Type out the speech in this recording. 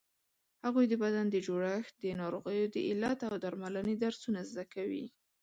هغوی د بدن د جوړښت، د ناروغیو د علت او درملنې درسونه زده کوي.